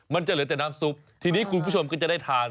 มันจะเหลือแต่น้ำซุปทีนี้คุณผู้ชมก็จะได้ทาน